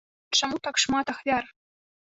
Чаму так шмат ахвяр?